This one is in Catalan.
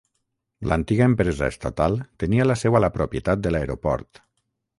L'antiga empresa estatal tenia la seu a la propietat de l'aeroport.